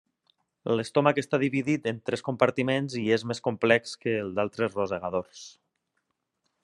L'estómac està dividit en tres compartiments i és més complex que el d'altres rosegadors.